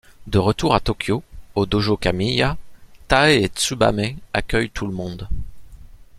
De retour à Tokyo, au dōjō Kamiya, Taé et Tsubamé accueillent tout le monde.